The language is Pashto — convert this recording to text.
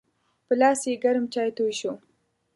په لاس یې ګرم چای توی شو.